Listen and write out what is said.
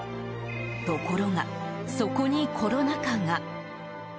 ところが、そこにコロナ禍が。